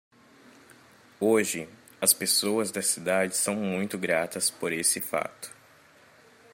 Hoje, as pessoas da cidade são muito gratas por esse fato.